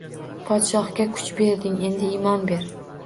Podshohga kuch berding, endi iymon ber.